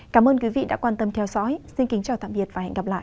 cảm ơn quý vị đã quan tâm theo dõi xin kính chào tạm biệt và hẹn gặp lại